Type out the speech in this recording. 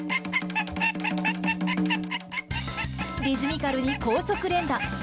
リズミカルに高速連打。